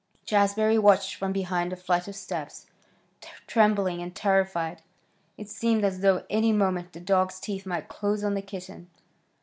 Jazbury watched from behind a flight of steps, trembling and terrified. It seemed as though any moment the dog's teeth might close on the kitten.